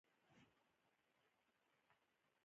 دا شبکه کارونو ته پلان جوړوي.